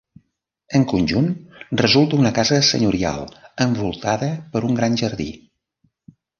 En conjunt resulta una casa senyorial envoltada per un gran jardí.